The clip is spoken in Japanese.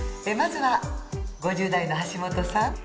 まずは５０代の橋本さん。